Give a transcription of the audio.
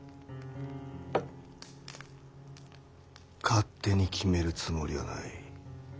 勝手に決めるつもりはない。